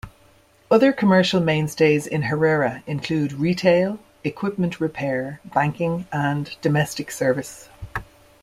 Other commercial mainstays in Herrera include retail, equipment repair, banking, and domestic service.